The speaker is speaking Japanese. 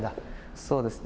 そうですね。